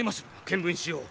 検分しよう。